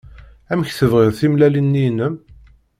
Amek tebɣiḍ timellalin-nni-inem?